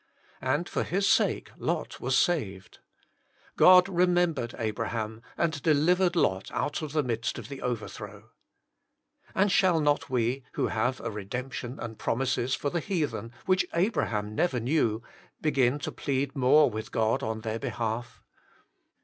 And for his sake Lot was saved. "God remembered 50 THE MINISTRY OF INTERCESSION Abraham, and delivered Lot out of the midst of the overthrow." And shall not we, who have a redemption and promises for the heathen which Abraham never knew, begin to plead more with God on their behalf.